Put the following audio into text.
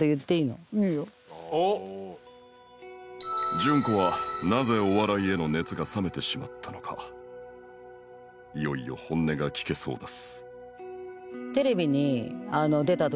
じゅんこはなぜお笑いへの熱が冷めてしまったのかいよいよ本音が聞けそうです